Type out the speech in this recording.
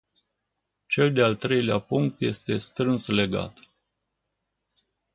Cel de-al treilea punct este strâns legat.